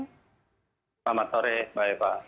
selamat sore mbak eva